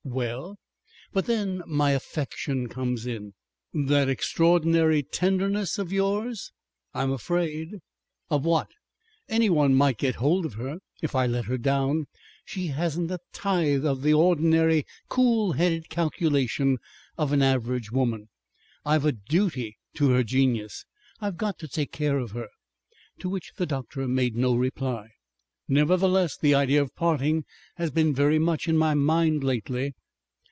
"Well?" "But then my affection comes in." "That extraordinary TENDERNESS of yours?" "I'm afraid." "Of what?" "Anyone might get hold of her if I let her down. She hasn't a tithe of the ordinary coolheaded calculation of an average woman.... I've a duty to her genius. I've got to take care of her." To which the doctor made no reply. "Nevertheless the idea of parting has been very much in my mind lately."